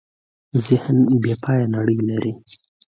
ذهن بېپایه نړۍ لري.